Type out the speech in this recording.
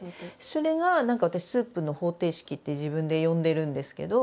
それが何か私「スープの方程式」って自分で呼んでるんですけど。